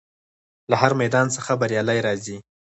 له هر میدان څخه بریالی راځي.